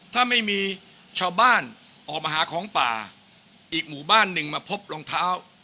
ถ้าไม่มีชาวบ้านออกมาหาของป่าอีกหมู่บ้านหนึ่งมาพบรองเท้า